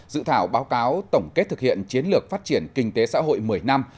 dự thảo báo cáo tổng kết thực hiện chiến lược phát triển kinh tế xã hội một mươi năm